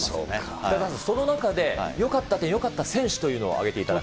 北澤さん、その中でよかった点、よかった選手というのを挙げていただくと。